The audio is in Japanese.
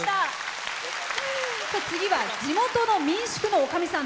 次は地元の民宿のおかみさん。